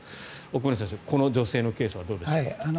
奥村先生、この女性のケースはどうでしょうか。